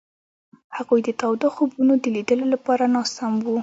هغوی د تاوده خوبونو د لیدلو لپاره ناست هم وو.